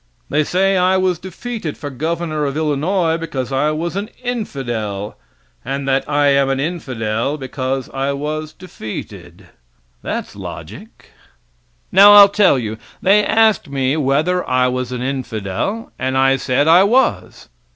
They say I was defeated for Governor of Illinois because I was an infidel, and that I am an infidel because I was defeated. That's logic. Now I'll tell you. They asked me whether I was an infidel, and I said I was!